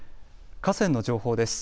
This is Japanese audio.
河川の情報です。